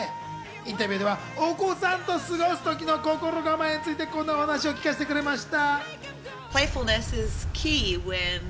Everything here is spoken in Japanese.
インタビューではお子さんと過ごす時の心構えについて、こんなお話を聞かせてくれました。